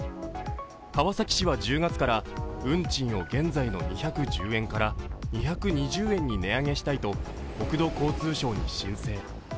川崎市は１０月から運賃を現在の２１０円から２２０円に値上げしたいと国土交通省に申請。